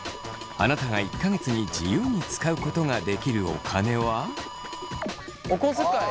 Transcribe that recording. あなたが１か月に自由に使うことができるお金は？お小遣い。